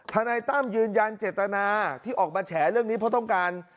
นายตั้มยืนยันเจตนาที่ออกมาแฉเรื่องนี้เพราะต้องการ